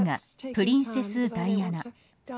プリンセス・ダイアナ。